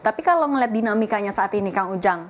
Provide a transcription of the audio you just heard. tapi kalau melihat dinamikanya saat ini kang ujang